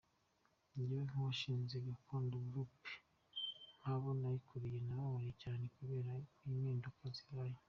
Jyewe nk’uwashinze Gakondo Group nkaba nayikuriye nababaye cyane kubera impinduka zibaye.